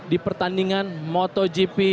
di pertandingan motogp